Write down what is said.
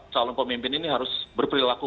calon pemimpin ini harus berperilaku